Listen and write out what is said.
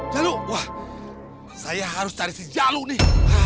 lalu wah saya harus cari si jalu nih